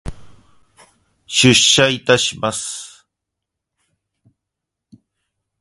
出社いたします。